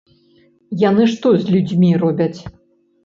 Яны што з людзьмі робяць?